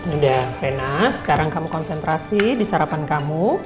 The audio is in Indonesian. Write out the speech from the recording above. udah fena sekarang kamu konsentrasi di sarapan kamu